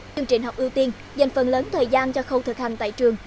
chương trình học ưu tiên dành phần lớn thời gian cho khâu thực hành tại trường